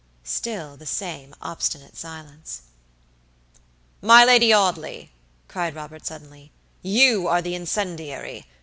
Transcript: Still the same obstinate silence. "My Lady Audley," cried Robert, suddenly, "you are the incendiary.